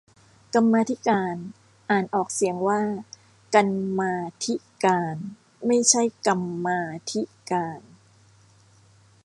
กรรมาธิการ อ่านออกเสียงว่า กัน มา ทิ กาน ไม่ใช่ กัม มา ทิ กาน